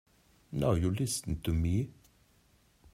Now you listen to me.